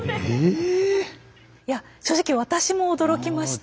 いや正直私も驚きました。